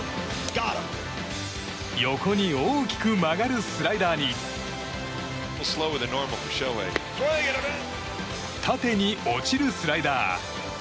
横に大きく曲がるスライダーに縦に落ちるスライダー。